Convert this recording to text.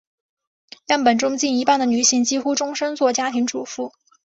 样本中近一半的女性几乎终生做家庭主妇。